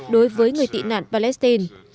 đối với người tị nạn palestine